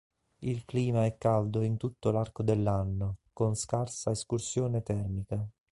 Il clima è caldo in tutto l'arco dell'anno, con scarsa escursione termica.